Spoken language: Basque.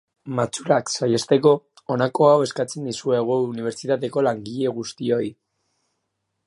Matxurak saihesteko, honako hau eskatzen dizuegu Unibertsitateko langile guztioi.